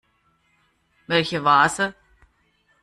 Welche Vase?